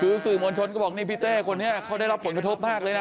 คือสื่อมวลชนก็บอกนี่พี่เต้คนนี้เขาได้รับผลกระทบมากเลยนะ